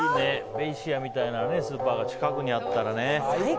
ベイシアみたいなスーパーが近くにあったらね。